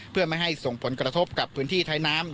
เพื่อไม่ให้ส่งผลกระทบกับพื้นที่ท้ายน้ำ